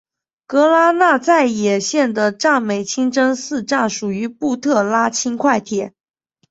格拉那再也线的占美清真寺站属于布特拉轻快铁。